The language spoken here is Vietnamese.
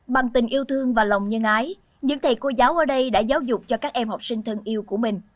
bằng tình yêu thương và lòng nhân ái những thầy cô giáo ở đây đã giáo dục cho các em học sinh thân yêu của mình